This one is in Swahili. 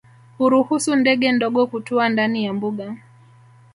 Huruhusu ndege ndogo kutua ndani ya mbuga